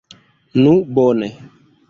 Nu bone!